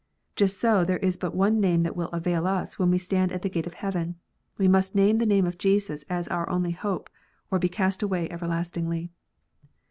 Just so there is but one name that will avail us when we stand at the gate of heaven : we must name the name of Jesus as our only hope, or be cast away everlastingly.